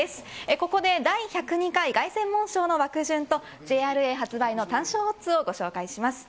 ここで第１０２回凱旋門賞の枠順とＪＲＡ発売の単勝オッズをご紹介します。